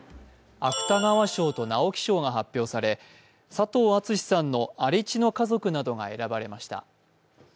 芥川賞と直木賞が発表され佐藤厚志さんの「荒地の家族」などが選ばれました。